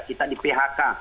kita di phk